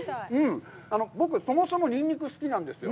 僕、そもそもニンニクが好きなんですよ。